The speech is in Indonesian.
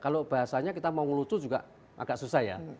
kalau bahasanya kita mau ngelucu juga agak susah ya